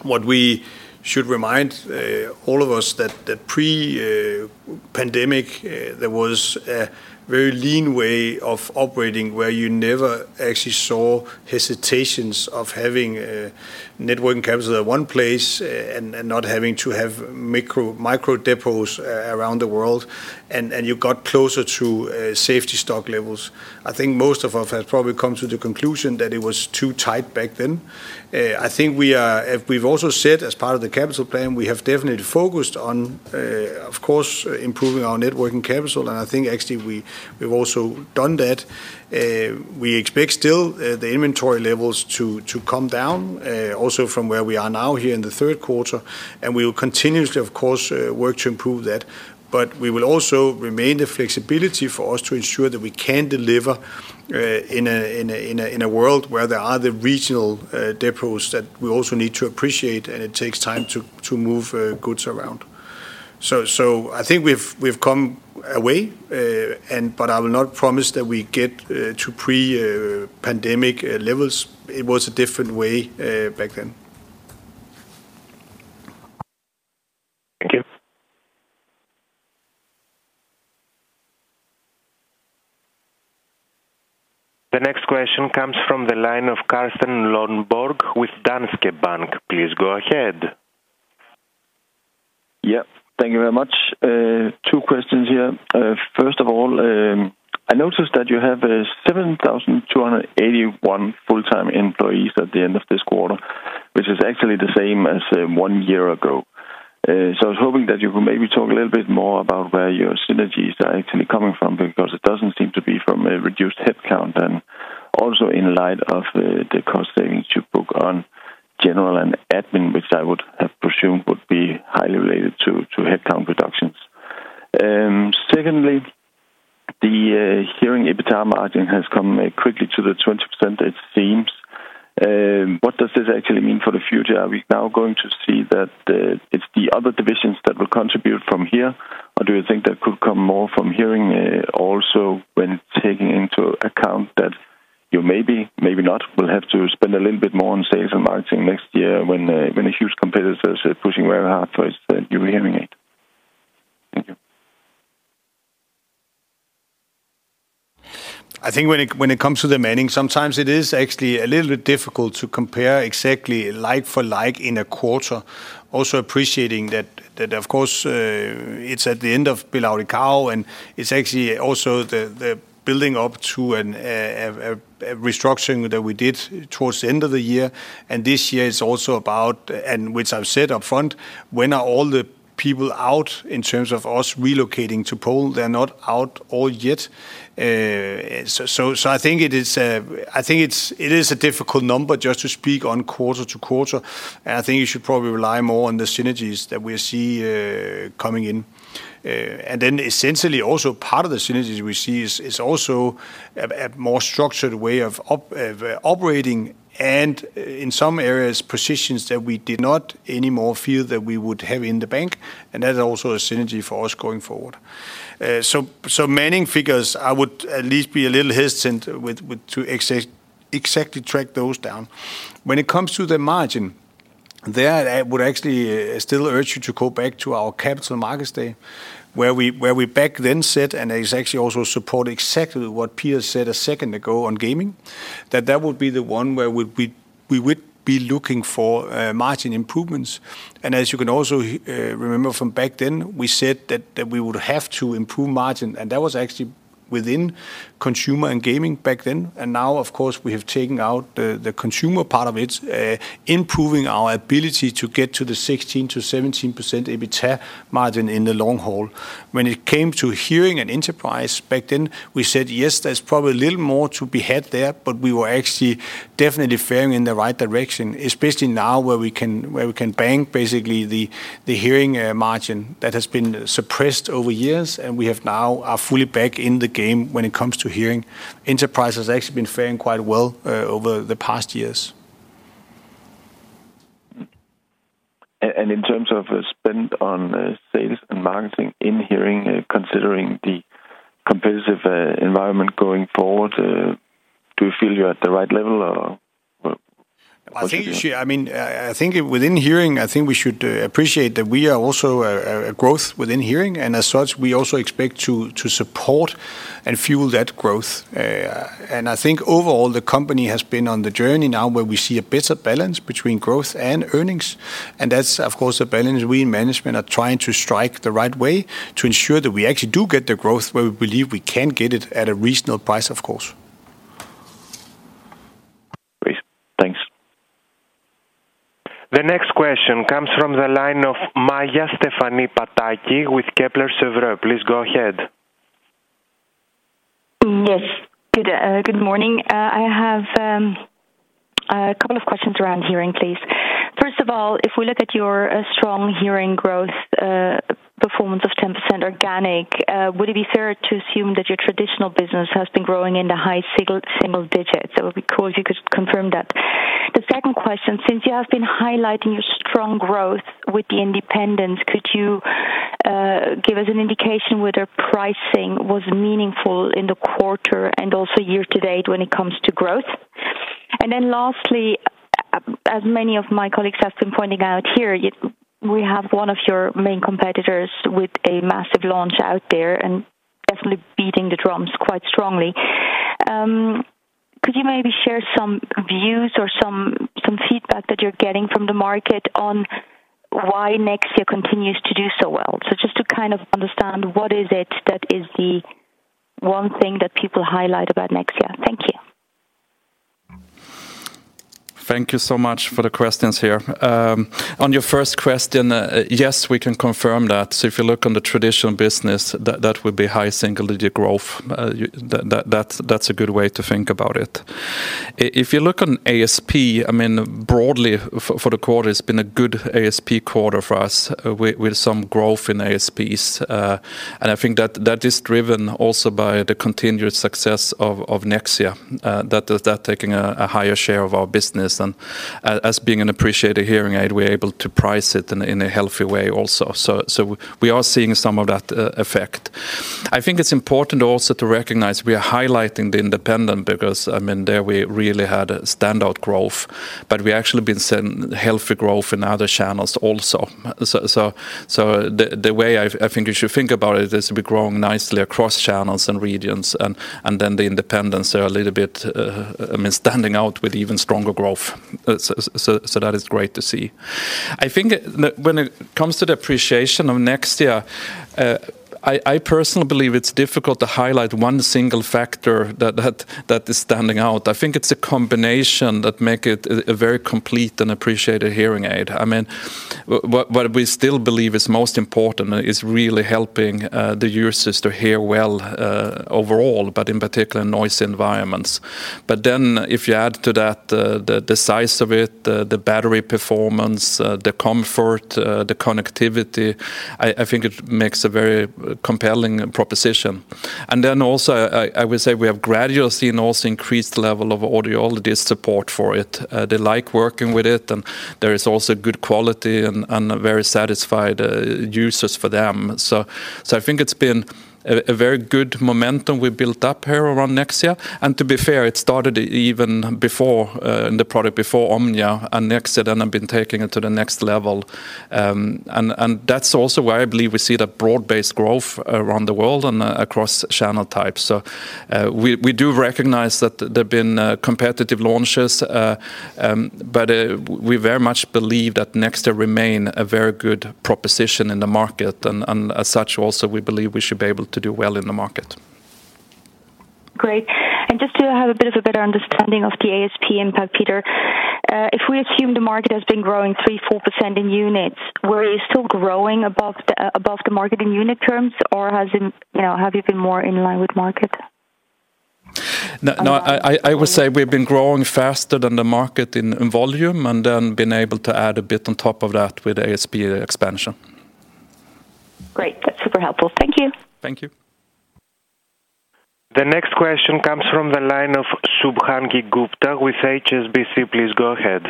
S3: what we should remind all of us that pre-pandemic, there was a very lean way of operating where you never actually saw hesitations of having net working capital at one place and not having to have micro-depots around the world. And you got closer to safety stock levels. I think most of us have probably come to the conclusion that it was too tight back then. I think we've also said as part of the capital plan, we have definitely focused on, of course, improving our net working capital. And I think actually we've also done that. We expect still the inventory levels to come down also from where we are now here in the third quarter. And we will continuously, of course, work to improve that. But we will also retain the flexibility for us to ensure that we can deliver in a world where there are the regional depots that we also need to appreciate, and it takes time to move goods around. So I think we've come a long way, but I will not promise that we get to pre-pandemic levels. It was a different world back then.
S4: Thank you. The next question comes from the line of Carsten Lønborg with Danske Bank. Please go ahead.
S12: Yep. Thank you very much. Two questions here. First of all, I noticed that you have 7,281 full-time employees at the end of this quarter, which is actually the same as one year ago. So I was hoping that you could maybe talk a little bit more about where your synergies are actually coming from because it doesn't seem to be from a reduced headcount and also in light of the cost savings you book on general and admin, which I would have presumed would be highly related to headcount reductions. Secondly, the hearing EBITDA margin has come quickly to the 20%, it seems. What does this actually mean for the future? Are we now going to see that it's the other divisions that will contribute from here, or do you think that could come more from hearing also when taking into account that you maybe, maybe not, will have to spend a little bit more on sales and marketing next year when a huge competitor is pushing very hard for its new hearing aid? Thank you.
S3: I think when it comes to the margin, sometimes it is actually a little bit difficult to compare exactly like for like in a quarter. Also appreciating that, of course, it's at the end of Bel Audiologia, and it's actually also the building up to a restructuring that we did towards the end of the year. And this year is also about, and which I've said upfront, when are all the people out in terms of us relocating to Poland? They're not all out yet. So I think it is a difficult number just to speak on quarter to quarter. I think you should probably rely more on the synergies that we see coming in. And then essentially also part of the synergies we see is also a more structured way of operating and in some areas positions that we did not anymore feel that we would have in the bank. And that is also a synergy for us going forward. So many figures, I would at least be a little hesitant to exactly track those down. When it comes to the margin, there I would actually still urge you to go back to our Capital Markets Day where we back then said, and it's actually also supported exactly what Peter said a second ago on gaming, that that would be the one where we would be looking for margin improvements. And as you can also remember from back then, we said that we would have to improve margin, and that was actually within consumer and gaming back then. And now, of course, we have taken out the consumer part of it, improving our ability to get to the 16%-17% EBITDA margin in the long haul. When it came to hearing and enterprise back then, we said, yes, there's probably a little more to be had there, but we were actually definitely faring in the right direction, especially now where we can bank basically the hearing margin that has been suppressed over years, and we are now fully back in the game when it comes to hearing. Enterprise has actually been faring quite well over the past years.
S12: In terms of spend on sales and marketing in hearing, considering the competitive environment going forward, do you feel you're at the right level or?
S3: I think you should. I mean, I think within hearing, I think we should appreciate that we are also a growth within hearing, and as such, we also expect to support and fuel that growth. I think overall the company has been on the journey now where we see a better balance between growth and earnings. That's, of course, the balance we in management are trying to strike the right way to ensure that we actually do get the growth where we believe we can get it at a reasonable price, of course.
S4: Great. Thanks. The next question comes from the line of Maja Stephanie Pataki with Kepler Cheuvreux. Please go ahead.
S5: Yes. Good morning. I have a couple of questions around hearing, please. First of all, if we look at your strong hearing growth performance of 10% organic, would it be fair to assume that your traditional business has been growing in the high single digits? It would be cool if you could confirm that. The second question, since you have been highlighting your strong growth with the independents, could you give us an indication whether pricing was meaningful in the quarter and also year to date when it comes to growth? And then lastly, as many of my colleagues have been pointing out here, we have one of your main competitors with a massive launch out there and definitely beating the drums quite strongly. Could you maybe share some views or some feedback that you're getting from the market on why Nexia continues to do so well? So just to kind of understand what is it that is the one thing that people highlight about Nexia? Thank you.
S2: Thank you so much for the questions here. On your first question, yes, we can confirm that, so if you look on the traditional business, that would be high single digit growth. That's a good way to think about it. If you look on ASP, I mean, broadly for the quarter, it's been a good ASP quarter for us with some growth in ASPs, and I think that is driven also by the continued success of Nexia, that is taking a higher share of our business, and as being an appreciated hearing aid, we're able to price it in a healthy way also, so we are seeing some of that effect. I think it's important also to recognize we are highlighting the independent because, I mean, there we really had a standout growth, but we actually have been seeing healthy growth in other channels also. The way I think you should think about it is we're growing nicely across channels and regions, and then the independents are a little bit, I mean, standing out with even stronger growth. That is great to see. I think when it comes to the appreciation of Nexia, I personally believe it's difficult to highlight one single factor that is standing out. I think it's a combination that makes it a very complete and appreciated hearing aid. I mean, what we still believe is most important is really helping the users to hear well overall, but in particular in noisy environments. If you add to that the size of it, the battery performance, the comfort, the connectivity, I think it makes a very compelling proposition. We have gradually seen also increased level of audiology support for it. They like working with it, and there is also good quality and very satisfied users for them. So I think it's been a very good momentum we built up here around Nexia. And to be fair, it started even before in the product before Omnia and Nexia, then I've been taking it to the next level. And that's also where I believe we see the broad-based growth around the world and across channel types. So we do recognize that there have been competitive launches, but we very much believe that Nexia remain a very good proposition in the market. And as such, also we believe we should be able to do well in the market.
S13: Great. And just to have a bit of a better understanding of the ASP impact, Peter, if we assume the market has been growing 3-4% in units, were you still growing above the market in unit terms, or have you been more in line with market?
S2: No, I would say we've been growing faster than the market in volume and then been able to add a bit on top of that with ASP expansion.
S13: Great. That's super helpful. Thank you.
S2: Thank you.
S4: The next question comes from the line of Shubhangi Gupta with HSBC. Please go ahead.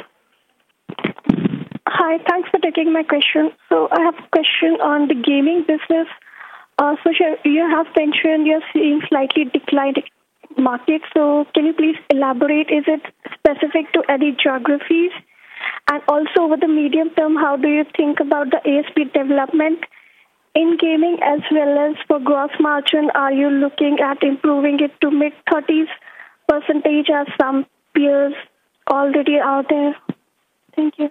S14: Hi. Thanks for taking my question. So I have a question on the gaming business. So you have mentioned you're seeing slightly declined market. So can you please elaborate? Is it specific to any geographies? And also over the medium term, how do you think about the ASP development in gaming as well as for gross margin? Are you looking at improving it to mid-30s% as some peers already out there? Thank you.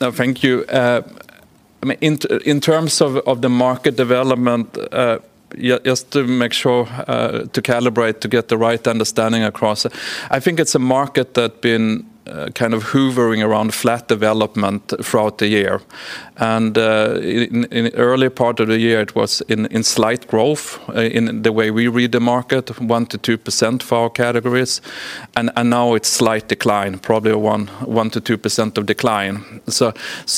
S2: No, thank you. I mean, in terms of the market development, just to make sure to calibrate to get the right understanding across, I think it's a market that's been kind of hovering around flat development throughout the year. And in the earlier part of the year, it was in slight growth in the way we read the market, 1%-2% for our categories. And now it's slight decline, probably 1%-2% decline. So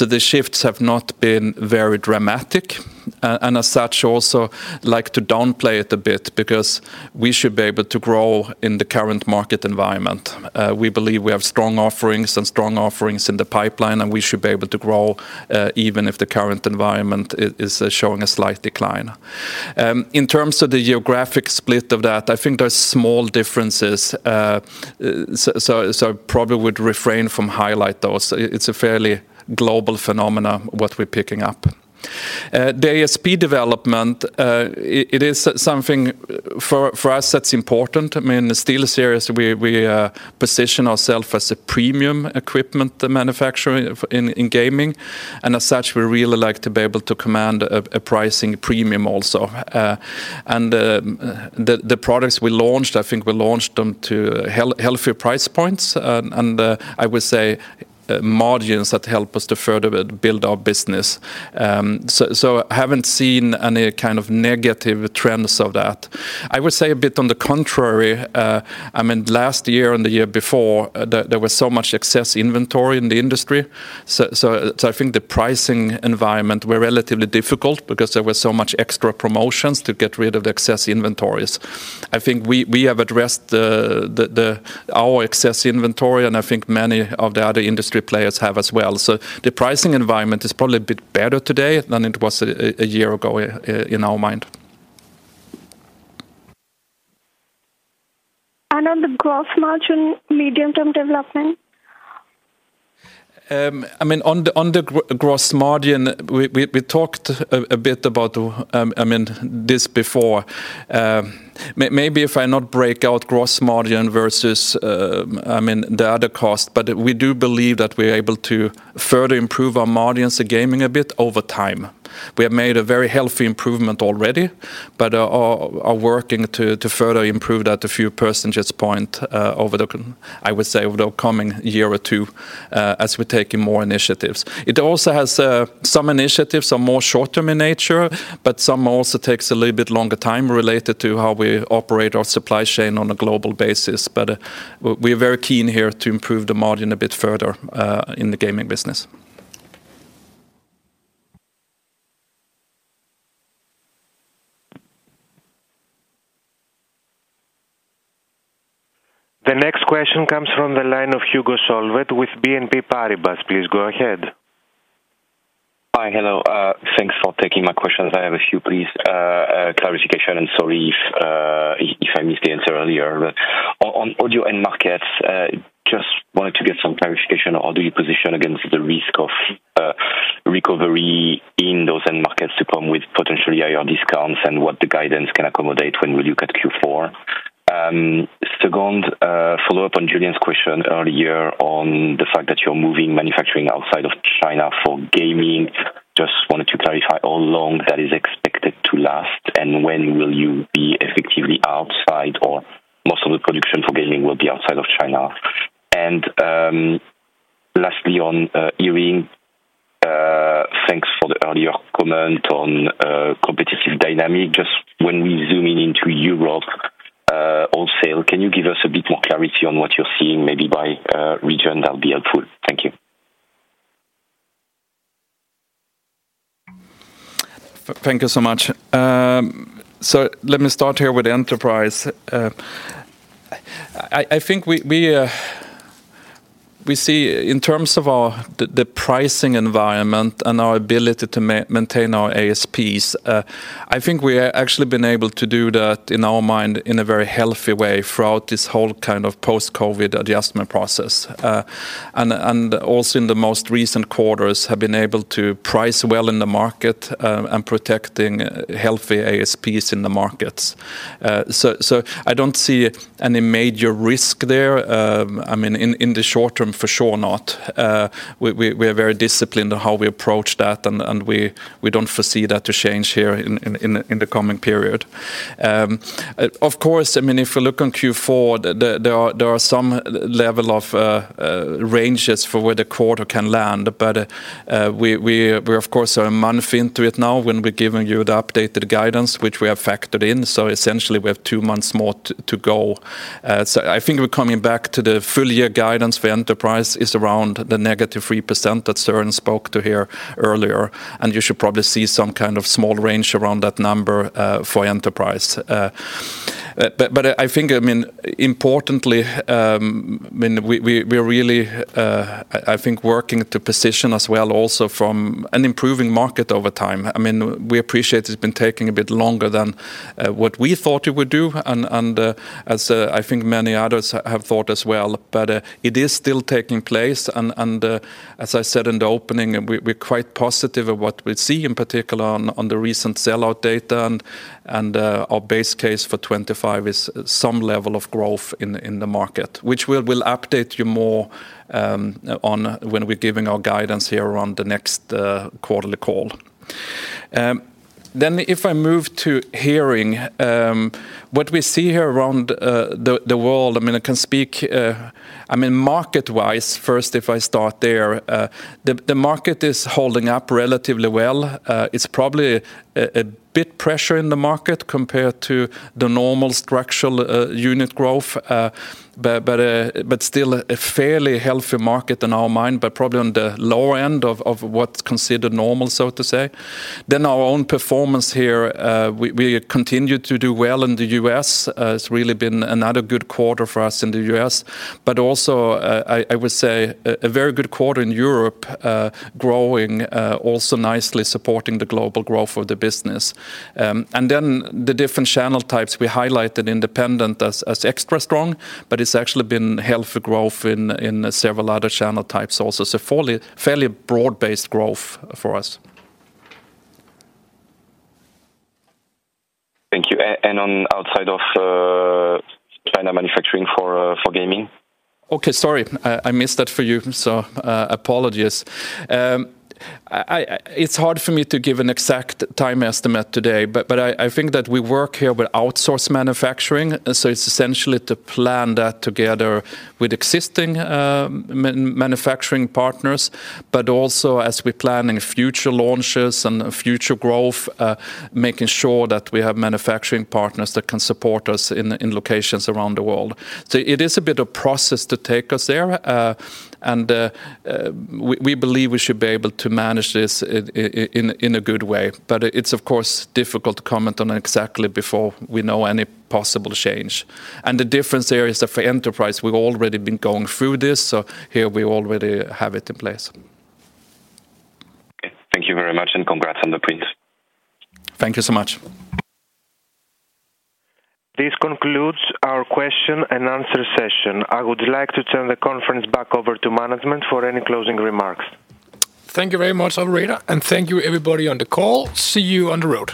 S2: the shifts have not been very dramatic. And as such, also like to downplay it a bit because we should be able to grow in the current market environment. We believe we have strong offerings and strong offerings in the pipeline, and we should be able to grow even if the current environment is showing a slight decline. In terms of the geographic split of that, I think there's small differences. So I probably would refrain from highlighting those. It's a fairly global phenomenon, what we're picking up. The ASP development, it is something for us that's important. I mean, still, seriously, we position ourselves as a premium equipment manufacturer in gaming. And as such, we really like to be able to command a pricing premium also. And the products we launched, I think we launched them to healthier price points. And I would say margins that help us to further build our business. I haven't seen any kind of negative trends of that. I would say a bit on the contrary. I mean, last year and the year before, there was so much excess inventory in the industry. I think the pricing environment was relatively difficult because there were so many extra promotions to get rid of the excess inventories. I think we have addressed our excess inventory, and I think many of the other industry players have as well. So the pricing environment is probably a bit better today than it was a year ago in our mind.
S14: On the gross margin, medium-term development?
S2: I mean, on the gross margin, we talked a bit about, I mean, this before. Maybe if I not break out gross margin versus, I mean, the other cost, but we do believe that we're able to further improve our margins of gaming a bit over time. We have made a very healthy improvement already, but are working to further improve that a few percentage points over the, I would say, over the coming year or two as we're taking more initiatives. It also has some initiatives are more short-term in nature, but some also take a little bit longer time related to how we operate our supply chain on a global basis. But we are very keen here to improve the margin a bit further in the gaming business.
S4: The next question comes from the line of Hugo Solvet with BNP Paribas. Please go ahead.
S15: Hi, hello. Thanks for taking my questions. I have a few, please, clarification and sorry if I missed the answer earlier. On audio end markets, just wanted to get some clarification on how do you position against the risk of recovery in those end markets to come with potentially higher discounts and what the guidance can accommodate when we look at Q4. Second, follow-up on Julien's question earlier on the fact that you're moving manufacturing outside of China for gaming. Just wanted to clarify how long that is expected to last and when will you be effectively outside or most of the production for gaming will be outside of China. And lastly, on hearing, thanks for the earlier comment on competitive dynamic. Just when we zoom in into Europe wholesale, can you give us a bit more clarity on what you're seeing maybe by region? That'll be helpful. Thank you.
S2: Thank you so much. So let me start here with enterprise. I think we see in terms of the pricing environment and our ability to maintain our ASPs. I think we have actually been able to do that in our mind in a very healthy way throughout this whole kind of post-COVID adjustment process. And also in the most recent quarters, have been able to price well in the market and protecting healthy ASPs in the markets. So I don't see any major risk there. I mean, in the short term, for sure not. We are very disciplined on how we approach that, and we don't foresee that to change here in the coming period. Of course, I mean, if you look on Q4, there are some level of ranges for where the quarter can land, but we are, of course, a month into it now when we're giving you the updated guidance, which we have factored in. So essentially, we have two months more to go. So I think we're coming back to the full year guidance for enterprise is around the -3% that Søren spoke to here earlier, and you should probably see some kind of small range around that number for enterprise, but I think, I mean, we're really, I think, working to position as well also from an improving market over time. I mean, we appreciate it's been taking a bit longer than what we thought it would do, and as I think many others have thought as well, but it is still taking place. As I said in the opening, we're quite positive of what we see in particular on the recent sell-out data. Our base case for 2025 is some level of growth in the market, which we'll update you more on when we're giving our guidance here around the next quarterly call. If I move to hearing, what we see here around the world, I mean, I can speak, I mean, market-wise first, if I start there, the market is holding up relatively well. It's probably a bit of pressure in the market compared to the normal structural unit growth, but still a fairly healthy market in our mind, but probably on the lower end of what's considered normal, so to speak. Our own performance here, we continue to do well in the U.S. It's really been another good quarter for us in the U.S. But also, I would say a very good quarter in Europe, growing also nicely, supporting the global growth of the business. And then the different channel types, we highlighted independent as extra strong, but it's actually been healthy growth in several other channel types also. So fairly broad-based growth for us.
S15: Thank you. And on outside of China manufacturing for gaming?
S2: Okay, sorry, I missed that for you. So apologies. It's hard for me to give an exact time estimate today, but I think that we work here with outsourced manufacturing. So it's essentially to plan that together with existing manufacturing partners, but also as we plan future launches and future growth, making sure that we have manufacturing partners that can support us in locations around the world. So it is a bit of process to take us there. And we believe we should be able to manage this in a good way. But it's, of course, difficult to comment on exactly before we know any possible change. And the difference there is that for enterprise, we've already been going through this. So here we already have it in place.
S15: Okay. Thank you very much and congrats on the prints.
S2: Thank you so much.
S4: This concludes our question-and-answer session. I would like to turn the conference back over to management for any closing remarks.
S2: Thank you very much, Aretha, and thank you everybody on the call. See you on the road.